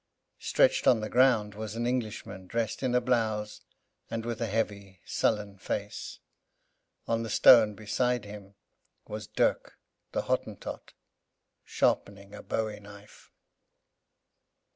Stretched on the ground was an Englishman, dressed in a blouse, and with a heavy, sullen face. On the stone beside him was Dirk, the Hottentot, sharpening a bowie knife.